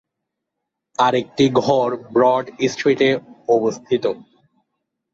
আরেকটি ঘর ব্রড স্ট্রিটে অবস্থিত।